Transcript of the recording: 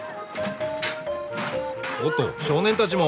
おっと少年たちも？